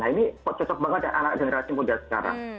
nah ini cocok banget ya anak generasi muda sekarang